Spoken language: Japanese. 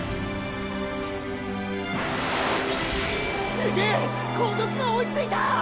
すげえ後続が追いついた。